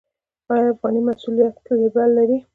آیا افغاني محصولات لیبل لري؟